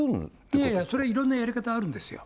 いやいや、それはいろんなやり方があるんですよ。